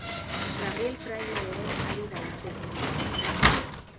Gabriel Fraile ere ari da hiztegian lan egiten.